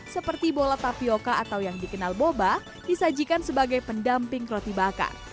seperti bola tapioca atau yang dikenal boba disajikan sebagai pendamping roti bakar